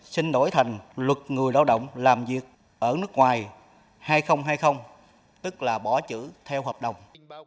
xin đổi thành luật người lao động làm việc ở nước ngoài hai nghìn hai mươi tức là bỏ chữ theo hợp đồng